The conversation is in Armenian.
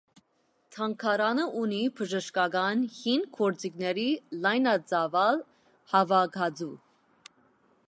Թանգարանը ունի բժշկական հին գործիքների լայնածավալ հավաքածու։